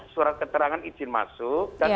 surat keterangan izin masuk dan